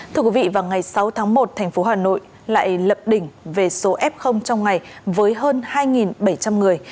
thưa quý vị vào ngày sáu tháng một thành phố hà nội lại lập đỉnh về số f trong ngày với hơn hai bảy trăm linh người